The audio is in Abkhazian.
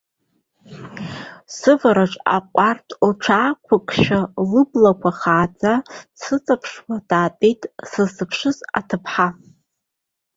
Сывараҿы аҟәардә лҽаақәкшәа, лыблақәа хааӡа дсыҵаԥшуа даатәеит сыззыԥшыз аҭыԥҳа.